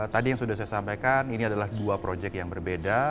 tadi yang sudah saya sampaikan ini adalah dua proyek yang berbeda